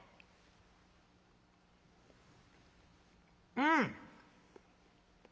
「うん！」。